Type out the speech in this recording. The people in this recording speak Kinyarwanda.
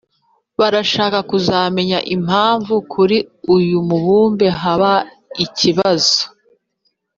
Barashaka kuzamenya impamvu kuri uyu mubumbe haba ikibazo